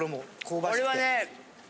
これはね